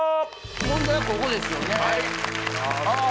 問題はここですよねああ